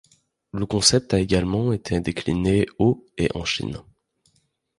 Le concept a également été décliné aux et en Chine.